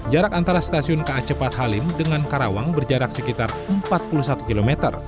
jarak antara stasiun ka cepat halim dengan karawang berjarak sekitar empat puluh satu km